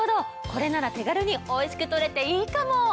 これなら手軽においしく取れていいかも！